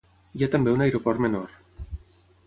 Hi ha també un aeroport menor.